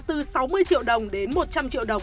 từ sáu mươi triệu đồng đến một trăm linh triệu đồng